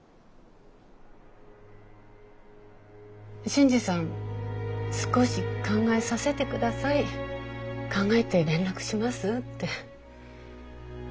新次さん少し考えさせてください考えて連絡しますって返事したのね。